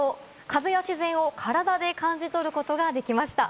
風や自然を体で感じ取ることができました。